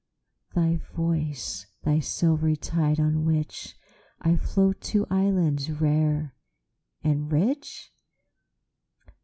Thy voice the silvery tide on whichI float to islands rare and rich?